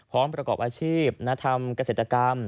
พร้อมประกอบอาชีพณธรรมกระเศรษฐกรรม